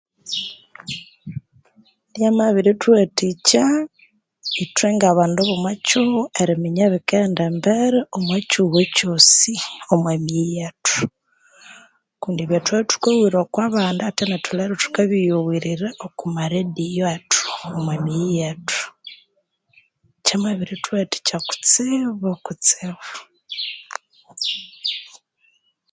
Byamabituwatikya etwe bandu bomo kighuwo eriminya ebikalholha embere omwakihugho kyosi